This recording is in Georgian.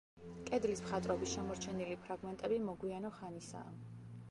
კედლის მხატვრობის შემორჩენილი ფრაგმენტები მოგვიანო ხანისაა.